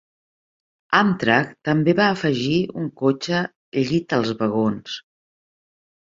Amtrak també va afegir un cotxe llit als vagons.